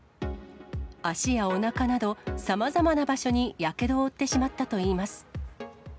足やおなかなど、さまざまな場所にやけどを負ってしまったといいます。